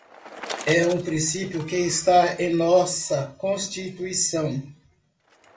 é um princípio que está em nossa Constituição